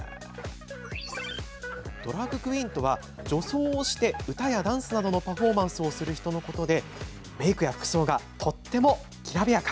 ドラァグクイーンとは女装をして歌やダンスなどのパフォーマンスをする人のことでメークや服装がとってもきらびやか。